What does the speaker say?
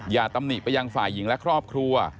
อย่าตำหนิไปยังฝ่ายหญิงและครอบครัว